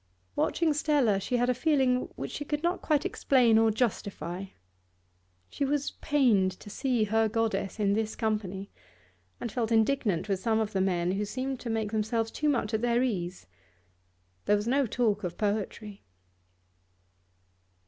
Watching Stella, she had a feeling which she could not quite explain or justify; she was pained to see her goddess in this company, and felt indignant with some of the men who seemed to make themselves too much at their ease. There was no talk of poetry.